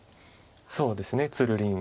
そうですねつるりんコンビで。